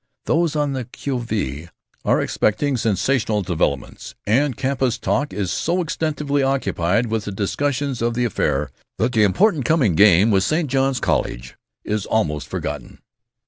Those on the que vive are expecting sensational developments and campus talk is so extensively occupied with discussions of the affair that the important coming game with St. John's college is almost forgotten.